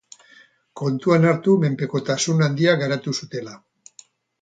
Kontuan hartu menpekotasun handia garatu zutela.